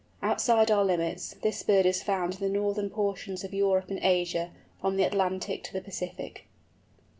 Outside our limits, this bird is found in the northern portions of Europe and Asia, from the Atlantic to the Pacific.